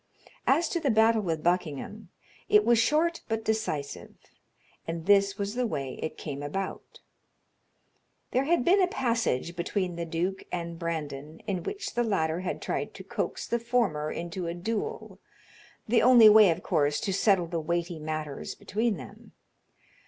As to the battle with Buckingham, it was short but decisive, and this was the way it came about: There had been a passage between the duke and Brandon, in which the latter had tried to coax the former into a duel, the only way, of course, to settle the weighty matters between them.